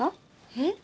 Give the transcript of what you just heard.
えっ？